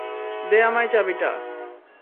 দে আমায় চাবিটা!